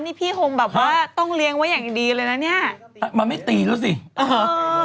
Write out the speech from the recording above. นี่พี่คงแบบว่าต้องเลี้ยงไว้อย่างดีเลยนะเนี้ยมันไม่ตีแล้วสิเออ